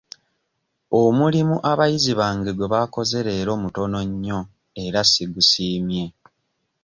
Omulimu abayizi bange gwe bakoze leero mutono nnyo era sigusiimye.